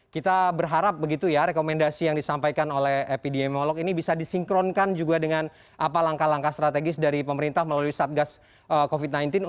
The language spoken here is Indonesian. kita berharap begitu ya rekomendasi yang disampaikan oleh epidemiolog ini bisa disinkronkan juga dengan apa langkah langkah strategis dari pemerintah melalui satgas covid sembilan belas untuk meminimalisir terjadinya situasi situasi yang tidak diinginkan begitu ya